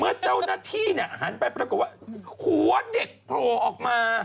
เมื่อเจ้าหน้าที่หันไปปรากฏว่าหัวเด็กโผล่ออกมา